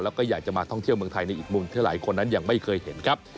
แล้วก็อยากจะมาท่องเที่ยวเมืองไทยในอีกมุมที่หลายคนนั้นยังไม่เคยเห็นครับ